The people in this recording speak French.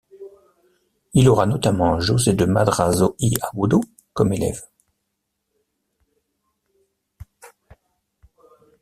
Il aura notamment José de Madrazo y Agudo comme élève.